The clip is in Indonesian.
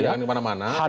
tidak akan kemana mana